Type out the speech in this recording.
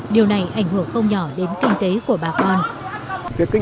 điều này ảnh hưởng không nhỏ đến kinh tế của bà con